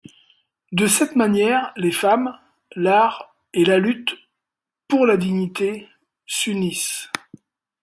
De cette manière, les femmes, l'art et la lutte pour la dignité s'unissent.